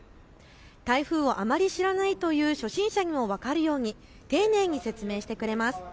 台風をあまり知らないという初心者にも分かるように丁寧に説明してくれます。